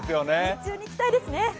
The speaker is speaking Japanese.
日中に期待ですね。